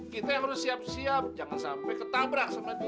kita harus siap siap jangan sampai ketabrak sama kita